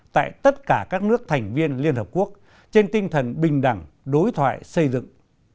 tại tất cả các nước thành viên liên hợp quốc trên tinh thần bình đẳng đối thoại xây dựng